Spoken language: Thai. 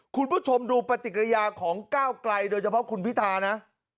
คุณผู้ชมดูปฏิกิริยาของก้าวไกลโดยเฉพาะคุณพิธานะ